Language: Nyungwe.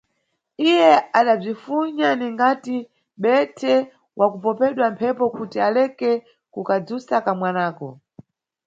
Iye adabzifunya ningati mʼbhedhe wakupopedwa mphepo kuti aleke kukadzusa kamwanako.